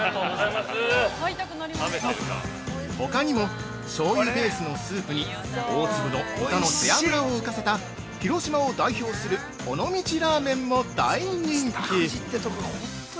◆ほかにも、しょうゆベースのスープに大粒の豚の背脂を浮かせた広島を代表する「尾道ラーメン」も大人気。